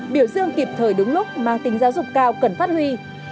biểu dương kịp thời đúng lúc mang tính giáo dục cao cần phát huy